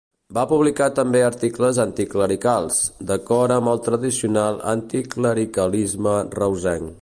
Va publicar també articles anticlericals, d'acord amb el tradicional anticlericalisme reusenc.